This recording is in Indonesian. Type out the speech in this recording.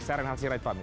saya renhal sirait fahmi